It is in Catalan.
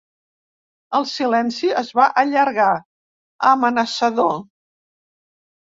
El silenci es va allargar, amenaçador.